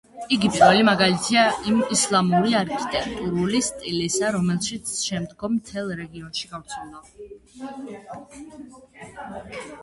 იგი პირველი მაგალითია იმ ისლამური არქიტექტურული სტილისა, რომელიც შემდგომ მთელს რეგიონში გავრცელდა.